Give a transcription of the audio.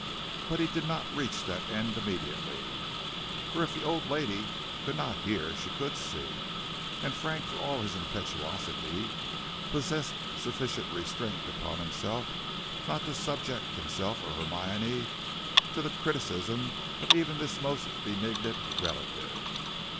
But he did not reach that end immediately; for if the old lady could not hear, she could see, and Frank, for all his impetuosity, possessed sufficient restraint upon himself not to subject himself or Hermione to the criticism of even this most benignant relative.